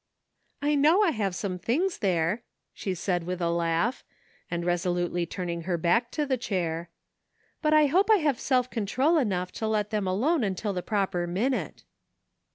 " I know I have some things there," she said, with a laugh, and resolutely turning her back to the chair, '' but I hope I have self control enough to let them alone until the proper minute.'